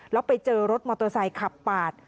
แล้วไปเจอรถมอเตอร์ไซค์ขับปาด